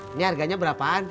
ini harganya berapaan